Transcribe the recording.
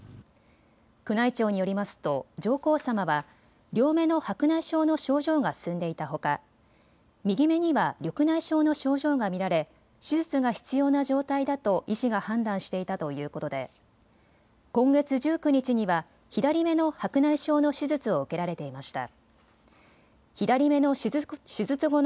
宮内庁によりますと上皇さまは両目の白内障の症状が進んでいたほか右目には緑内障の症状が見られ手術が必要な状態だと医師が判断していたということで今月１９日には左目の白内障の手術を受けられていました。